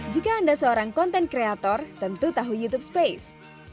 jika anda seorang konten kreator tentu tahu youtube space